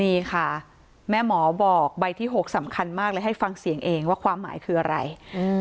นี่ค่ะแม่หมอบอกใบที่๖สำคัญมากเลยให้ฟังเสียงเองว่าความหมายคืออะไร